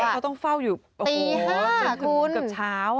เขาต้องเฝ้าอยู่ตี๕เกือบเช้า